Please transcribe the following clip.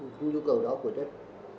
phải đáp ứng cái nhu cầu đó của tất